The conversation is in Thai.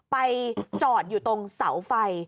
ไปจอดอยู่ตรงเสาไฟ